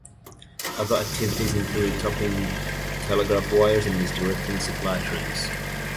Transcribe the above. Other activities included tapping telegraph wires and misdirecting supply trains.